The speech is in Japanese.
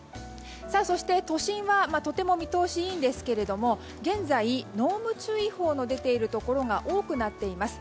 そして、都心はとても見通しがいいんですが現在、濃霧注意報が出ているところが多くなっています。